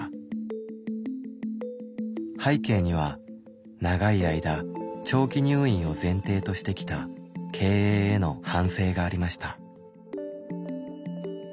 背景には長い間長期入院を前提としてきた経営への反省がありました。